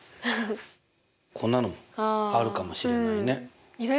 こんなのもあるかもしれないね。